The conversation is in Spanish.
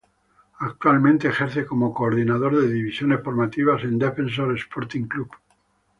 Actualmente ejerce como Coordinador de Divisiones Formativas, en Defensor Sporting Club